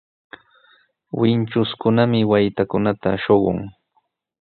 Kintikunami waytakunata shuqun.